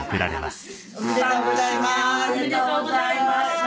おめでとうございます！